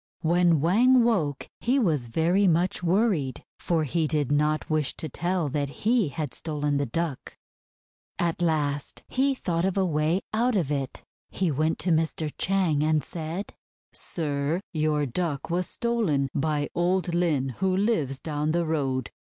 When Wang woke, he was very much worried, for he did not wish to tell that he had stolen the Duck. At last he thought of a way out of it. He went to Mr. Chang and said: — "Sir, your Duck was stolen by old Lin who lives down the road.